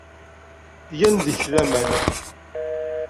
Gan deg-k laman.